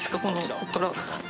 こっから。